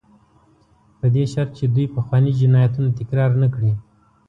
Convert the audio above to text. په دې شرط چې دوی پخواني جنایتونه تکرار نه کړي.